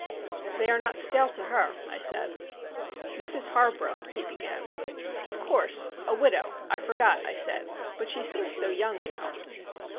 "They are not stale to her," I said. "Mrs Harborough " he began. "Of course, a widow! I forgot," I said. "But she seems so young, you know."